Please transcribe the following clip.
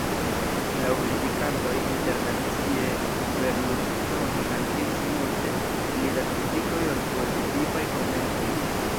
Laŭ kritikantoj, internacie, Berlusconi altiris multe pli da kritikoj ol pozitivaj komentoj.